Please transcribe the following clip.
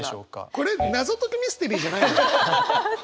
これ謎解きミステリーじゃないのよ。